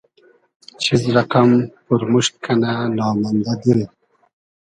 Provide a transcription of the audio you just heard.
چیز رئقئم پورموشت کئنۂ نامئندۂ دیل